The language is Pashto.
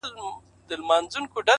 او ښه په ډاگه درته وايمه چي ـ